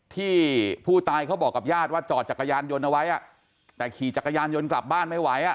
ที่ผู้ตายเขาบอกกับญาติว่าจอดจักรยานยนต์เอาไว้แต่ขี่จักรยานยนต์กลับบ้านไม่ไหวอ่ะ